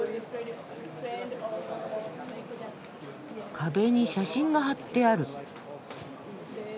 壁に写真が貼ってある。